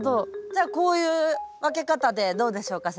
じゃあこういう分け方でどうでしょうか？